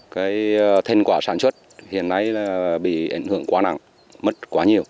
cái thành quả sản xuất hiện nay là bị ảnh hưởng quá nặng mất quá nhiều